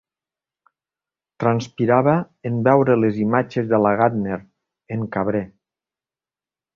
Transpirava en veure les imatges de la Gardner, en Cabré.